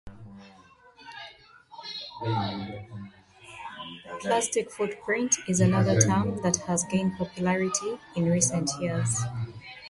"Plastic footprint" is another term that has gained popularity in recent years.